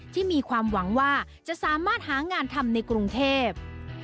ที่มีความหวังว่าจะสามารถหางานทำในกรุงเทพ